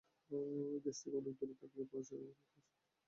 দেশ থেকে অনেক দূরে থাকলেও আমরা প্রবাসীরা দেশকে নিয়ে প্রচুর ভাবি।